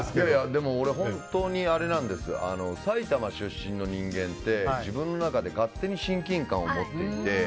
でも俺、本当に埼玉出身の人間って自分の中で勝手に親近感を持っていて。